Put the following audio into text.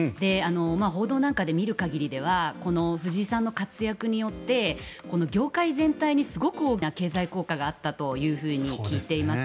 報道なんかで見る限りではこの藤井さんの活躍によって業界全体にすごく大きな経済効果があったというふうに聞いています。